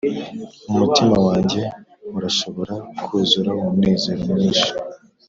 umutima wanjye urashobora kuzura umunezero mwinshi,